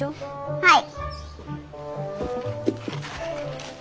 はい。